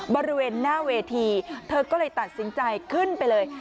บริเวณหน้าเวทีเธอก็เลยตัดสินใจขึ้นไปเลย